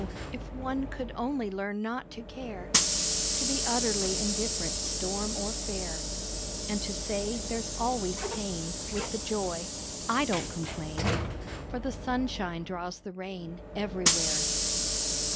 if one could only learn not to care, To be utterly indifferent storm or fair; And to say there's always pain With the joy, I don't complain, For the sunshine draws the rain Everywhere.